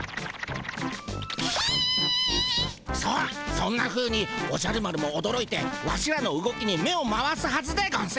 そんなふうにおじゃる丸もおどろいてワシらの動きに目を回すはずでゴンス。